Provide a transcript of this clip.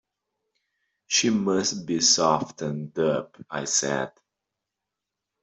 "She must be softened up," I said.